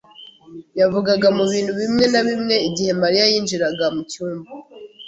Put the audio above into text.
yavugaga mu bintu bimwe na bimwe igihe Mariya yinjiraga mu cyumba.